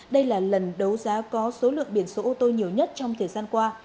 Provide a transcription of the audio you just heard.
đây là lần đấu giá có số lượng biển số ô tô nhiều nhất trong thời gian qua